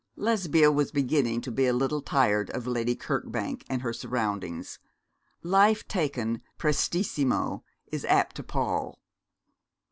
Lesbia was beginning to be a little tired of Lady Kirkbank and her surroundings. Life taken prestissimo is apt to pall.